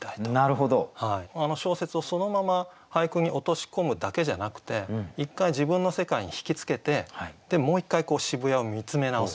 小説をそのまま俳句に落とし込むだけじゃなくて一回自分の世界に引き付けてもう一回渋谷を見つめ直すみたいな。